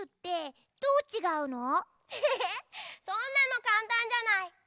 そんなのかんたんじゃない。